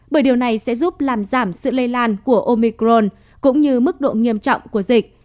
bởi điều này sẽ giúp làm giảm sự lây lan của omicron cũng như mức độ nghiêm trọng của dịch